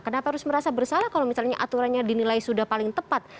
kenapa harus merasa bersalah kalau misalnya aturannya dinilai sudah paling tepat